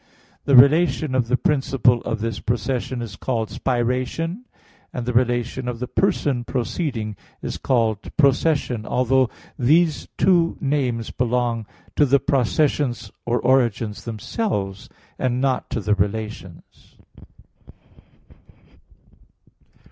The relation of the principle of this procession is called spiration; and the relation of the person proceeding is called procession: although these two names belong to the processions or origins themselves, and not to the relations.